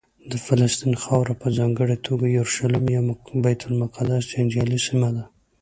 د فلسطین خاوره په ځانګړې توګه یورشلیم یا بیت المقدس جنجالي سیمه ده.